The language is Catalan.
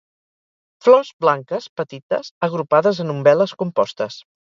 Flors blanques, petites, agrupades en umbel·les compostes.